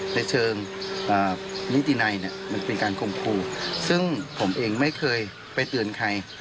ในเชิงนิตินัยเนี่ยมันเป็นการคมครูซึ่งผมเองไม่เคยไปเตือนใคร